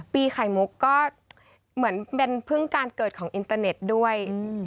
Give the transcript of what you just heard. ไข่มุกก็เหมือนเป็นพึ่งการเกิดของอินเตอร์เน็ตด้วย